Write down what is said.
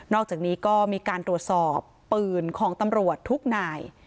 อกจากนี้ก็มีการตรวจสอบปืนของตำรวจทุกนาย